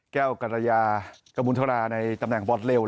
แก้วกัลยากบุณทราในตำแหน่งบอดรวน